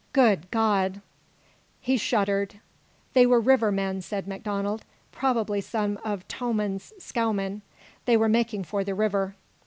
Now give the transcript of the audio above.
Good God " He shuddered. "They were river men," said MacDonald. "Probably some of Tomman's scow men. They were making for the river."